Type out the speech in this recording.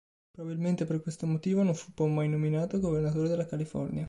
Probabilmente per questo motivo non fu poi nominato governatore della California.